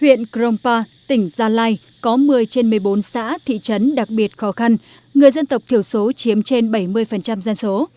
huyện krongpa tỉnh gia lai có một mươi trên một mươi bốn xã thị trấn đặc biệt khó khăn người dân tộc thiểu số chiếm trên bảy mươi dân số